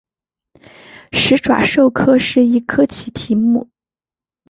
始爪兽科是一科奇蹄目。